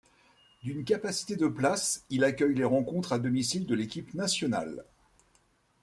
D'une capacité de places, il accueille les rencontres à domicile de l'équipe nationale.